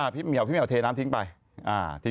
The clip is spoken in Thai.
พี่เหมาแบบนัดลงไป